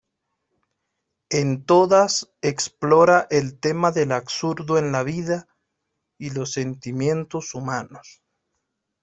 En todas explora el tema del absurdo en la vida y los sentimientos humanos.